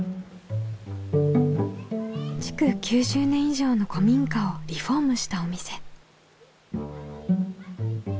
築９０年以上の古民家をリフォームしたお店。